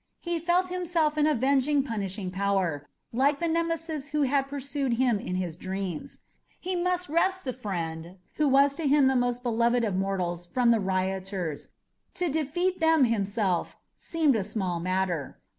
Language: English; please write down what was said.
He felt himself an avenging, punishing power, like the Nemesis who had pursued him in his dreams. He must wrest the friend who was to him the most beloved of mortals from the rioters. To defeat them himself seemed a small matter.